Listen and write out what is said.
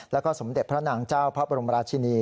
แล้วก็สมเด็จพระนางเจ้าพระบรมราชินี